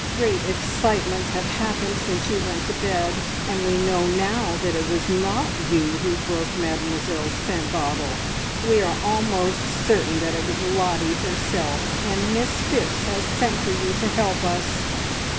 Great excitements have happened since you went to bed, and we know now that it was not you who broke Mademoiselle's scent bottle. We are almost certain that it was Lottie herself, and Miss Phipps has sent for you to help us!"